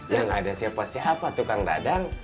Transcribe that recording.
ya nggak ada siapa siapa tukang dadang